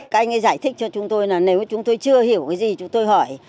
các anh ấy giải thích cho chúng tôi là nếu chúng tôi chưa hiểu cái gì chúng tôi hỏi